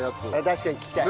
確かに聞きたい。